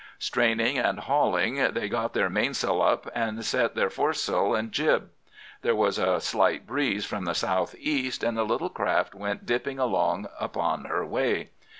Straining and hauling, they got their mainsail up and set their foresail and jib. There was a slight breeze from the south east, and the little craft went dipping along upon her way.